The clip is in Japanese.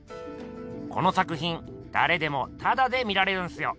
この作品だれでもタダで見られるんすよ。